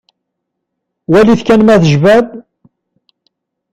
Walit kan ma tejba-d.